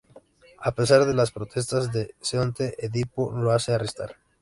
A pesar de las protestas de Creonte, Edipo lo hace arrestar.